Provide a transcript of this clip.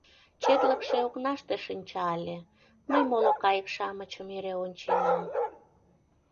Четлыкше окнаште шинча ыле, мый моло кайык-шамычым эре онченам...